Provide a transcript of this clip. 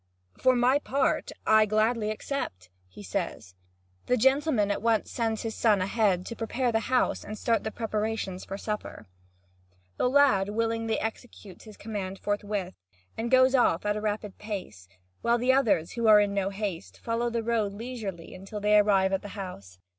"For my part, I gladly accept," he says. The gentleman at once sends his son ahead, to prepare the house and start the preparations for supper. The lad willingly executes his command forthwith, and goes off at a rapid pace, while the others, who are in no haste, follow the road leisurely until they arrive at the house.